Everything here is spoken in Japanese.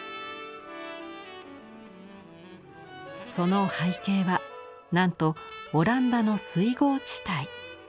その背景はなんとオランダの水郷地帯。